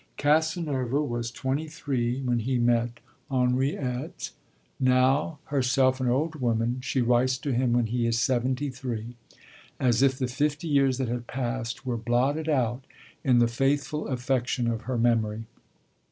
Casanova was twenty three when he met Henriette; now, herself an old woman, she writes to him when he is seventy three, as if the fifty years that had passed were blotted out in the faithful affection of her memory.